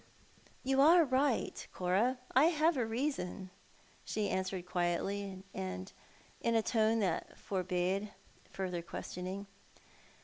" You are right, Cora ; I have a reason," she answered quietly, and in a tone that forbade further questioning.